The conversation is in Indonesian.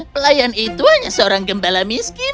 pelayan itu hanya seorang gembala miskin